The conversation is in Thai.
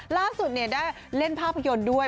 ล่าสุดได้เล่นภาพยนตร์ด้วย